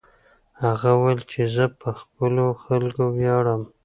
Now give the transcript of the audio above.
هغه وویل چې زه په خپلو خلکو ویاړم.